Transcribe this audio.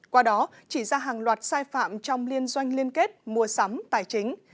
qua đó chỉ ra hàng loạt sai phạm trong liên doanh liên kết mua sắm tài chính